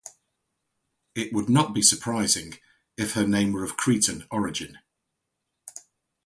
It would not be surprising if her name were of Cretan origin.